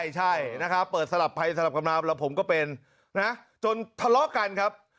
ใช่นะครับเปิดสลับไปสลับกันมาแล้วผมก็เป็นนะจนทะเลาะกันครับ